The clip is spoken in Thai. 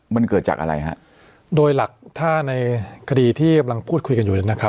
มันเกิดจากอะไรฮะโดยหลักถ้าในคดีที่กำลังพูดคุยกันอยู่นะครับ